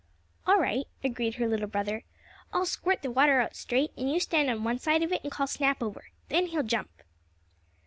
"All right," agreed her little brother. "I'll squirt the water out straight, and you stand on one side of it and call Snap over. Then he'll jump."